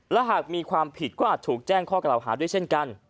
และหากมีความผิดก็อาจถูกแจ้งข้อกล่าวหาด้วยเช่นกัน